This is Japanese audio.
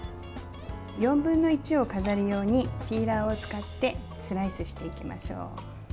４分の１を飾り用にピーラーを使ってスライスしていきましょう。